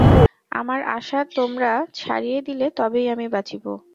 আমার আশা তোমরা ছাড়িয়া দিলে তবেই আমি বাঁচিব।